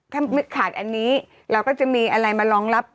ถ้าขาดอันนี้เราก็จะมีอะไรมารองรับ